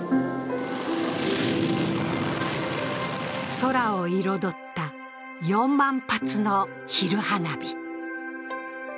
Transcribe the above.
空を彩った４万発の昼花火。